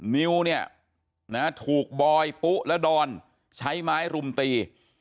นิวเนี่ยนะถูกบอยปุ๊และดอนใช้ไม้รุมตี